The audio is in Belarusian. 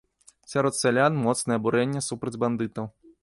Сярод сялян моцнае абурэнне супраць бандытаў.